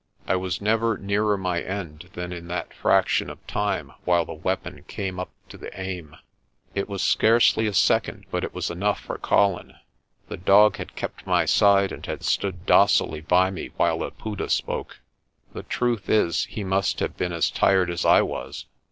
I was never nearer my end than in that fraction of time while the weapon came up to the aim. It was scarcely a second but it was enough for Colin. The dog had kept my side and had stood docilely by me while Laputa spoke. The truth is, he must have been as tired as I was.